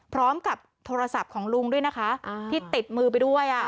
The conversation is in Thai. พร้อมกับโทรศัพท์ของลุงด้วยนะคะที่ติดมือไปด้วย